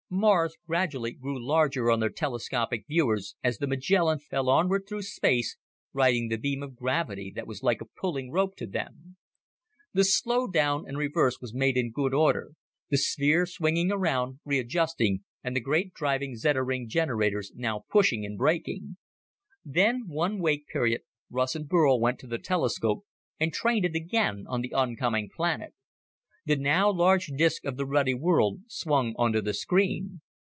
Mars gradually grew larger on their telescopic viewers as the Magellan fell onward through space, riding the beam of gravity that was like a pulling rope to them. The slow down and reverse was made in good order the sphere swinging around, readjusting, and the great, driving Zeta ring generators now pushing and braking. Then one wake period, Russ and Burl went to the telescope and trained it again on the oncoming planet. The now large disc of the ruddy world swung onto the screen.